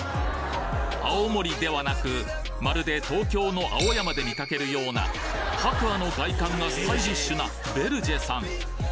青森ではなくまるで東京の青山で見かけるような白亜の外観がスタイリッシュなヴェルジェさん